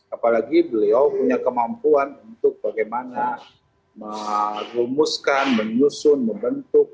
apalagi beliau punya kemampuan untuk bagaimana merumuskan menyusun membentuk